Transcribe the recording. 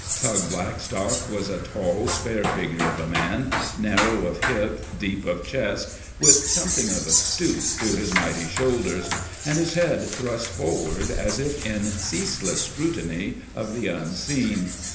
Tug Blackstock was a tall, spare figure of a man, narrow of hip, deep of chest, with something of a stoop to his mighty shoulders, and his head thrust forward as if in ceaseless scrutiny of the unseen.